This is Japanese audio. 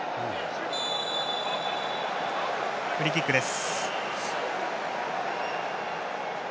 フリーキックです。